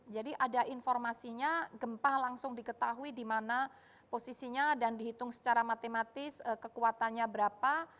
jadi ada informasinya gempa langsung diketahui dimana posisinya dan dihitung secara matematis kekuatannya berapa